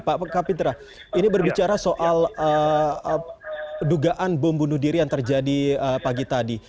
pak kapitra ini berbicara soal dugaan bom bunuh diri yang terjadi pagi tadi